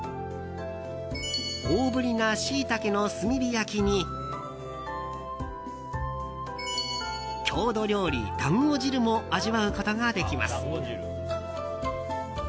大ぶりなしいたけの炭火焼きに郷土料理だんご汁も味わうことができます。